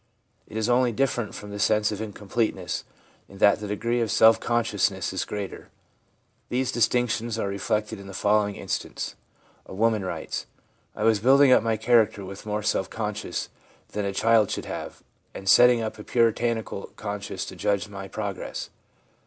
It is only different from the sense of incompleteness in that the degree of self consciousness is greater. These distinctions are re flected in the following instance. A woman writes : 1 1 was building up my character with more self consciousness than a child should have, and setting up a Puritanical conscience to judge of my progress.